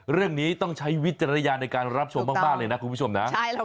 เรื่องนี้ต้องใช้วิจารณญาณในการรับชมมากเลยนะคุณผู้ชมนะ